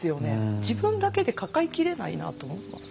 自分だけで抱えきれないなと思います。